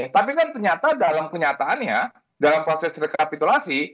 tapi kan ternyata dalam kenyataannya dalam proses rekapitulasi